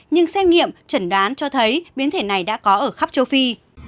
nhưng xét nghiệm chẩn đoán cho thấy biến thể này đã có ở khắp châu phi